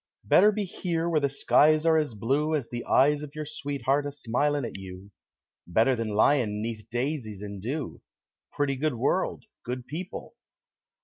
Better be here where the skies are as blue As the eyes of your sweetheart a smilin' at you Better than lyin' 'neath daisies and dew Pretty good world, good people!